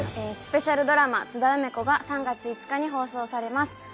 スペシャルドラマ『津田梅子』が３月５日に放送されます。